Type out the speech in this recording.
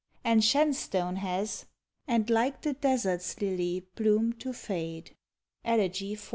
And Shenstone has And like the desert's lily bloom to fade! Elegy iv.